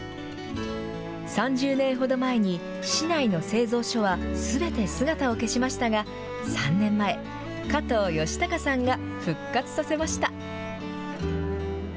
３０年ほど前に、市内の製造所はすべて姿を消しましたが、３年前、加藤義隆さんが復活させました。